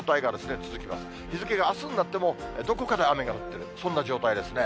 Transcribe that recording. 日付があすになっても、どこかで雨が降っている、そんな状態ですね。